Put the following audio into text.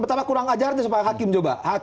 betapa kurang ajarnya supaya hakim coba